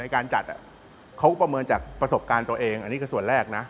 การจัดเขาประเมินจากประสบการณ์ตัวเองอันนี้คือส่วนแรกนะ